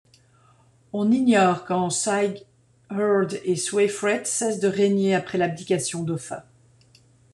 On ignore quand Sigeheard et Swæfred cessent de régner après l'abdication d'Offa.